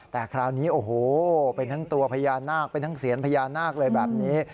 แต่คราวนี้โอ้โหเป็นทั้งตัวพญานาคเป็นทั้งเซียนพญานาคเลยแบบนี้